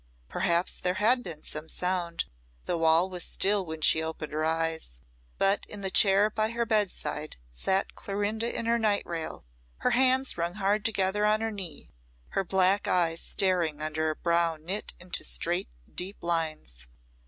Perhaps there had been some sound, though all was still when she opened her eyes; but in the chair by her bedside sat Clorinda in her night rail, her hands wrung hard together on her knee, her black eyes staring under a brow knit into straight deep lines.